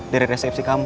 dari resnepsi kamu